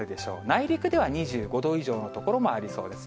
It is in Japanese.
内陸では２５度以上の所もありそうです。